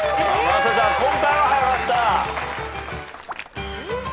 今回は早かった。